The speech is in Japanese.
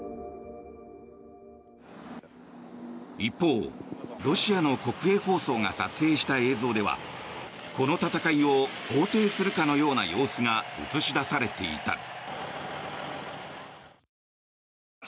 一方、ロシアの国営放送が撮影した映像ではこの戦いを肯定するかのような様子が映し出されていた。